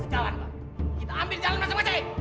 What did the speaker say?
kita ambil jalan masing masing